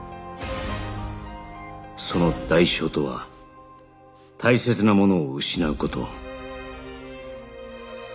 その代償とは大切なものを失う事